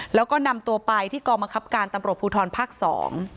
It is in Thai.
แล้วก็นำตัวไปที่กรมคับการตำรวจพูทรภักดิ์๒